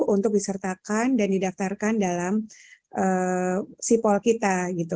untuk disertakan dan didaftarkan dalam sipol kita gitu